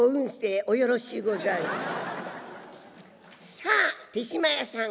さあ豊島屋さん